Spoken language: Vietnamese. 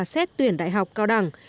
để chuyển đại học cao đẳng